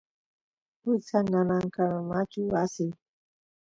wiksa nanankamachu asin